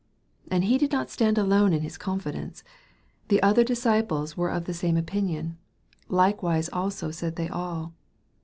And he did not stand alone in his confi dence. The other disciples were of the same opinion. " Likewise also said they all."